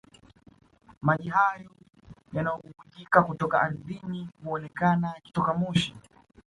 Maji hayo yanayobubujika kutoka ardhini huonekana yakitoa moshi